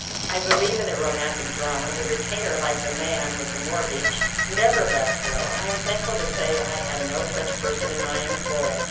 I believe, in the romantic drama, the retainer, like the man with the mortgage, never lets go. I am thankful to say I had no such person in my employ.